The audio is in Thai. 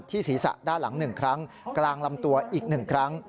ศีรษะด้านหลัง๑ครั้งกลางลำตัวอีก๑ครั้ง